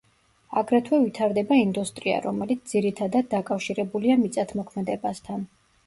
აგრეთვე ვითარდება ინდუსტრია, რომელიც ძირითადად დაკავშირებულია მიწათმოქმედებასთან.